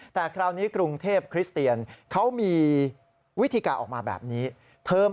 แต่คราวนี้กรุงเทพคริสเตียนเขามีวิธีการออกมาแบบนี้